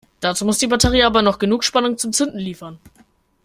Dazu muss die Batterie aber noch genug Spannung zum Zünden liefern.